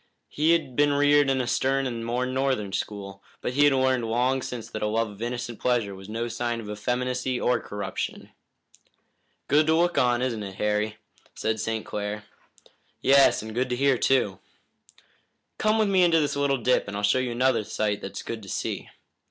He had been reared in a stern and more northern school, but he had learned long since that a love of innocent pleasure was no sign of effeminacy or corruption. "Good to look on, isn't it, Harry?" said St. Clair. "Yes, and good to hear, too." "Come with me into this little dip, and I'll show you another sight that's good to see."